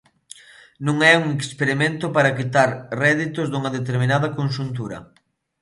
Non é un experimento para quitar réditos dunha determinada conxuntura.